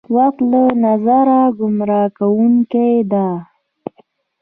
وخت له نظره ګمراه کوونکې ده.